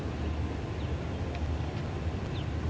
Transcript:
asal sekolah sma negeri dua puluh satu